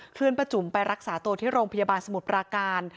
เขื่อนประจุมไปรักษาโรงพยาบาลสมุทรปราการ